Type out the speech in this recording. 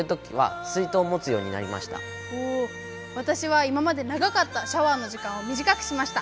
わたしは今まで長かったシャワーの時間をみじかくしました。